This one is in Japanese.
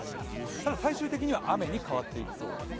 ただ最終的には雨に変わっていきそうですね。